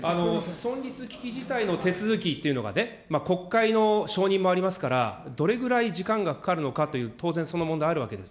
存立危機事態の手続きというのがね、国会の承認もありますから、どれぐらい時間がかかるのかという、当然その問題あるわけです。